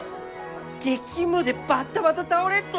激務でバタバタ倒れっと。